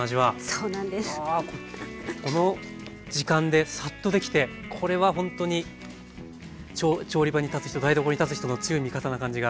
この時間でサッとできてこれはほんとに調理場に立つ人台所に立つ人の強い味方な感じがしますね。